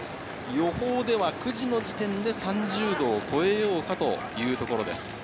予報では９時の時点で、３０度を超えようかというところです。